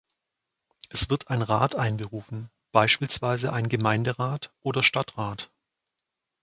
Es wird ein "Rat" einberufen, beispielsweise ein "Gemeinderat" oder "Stadtrat".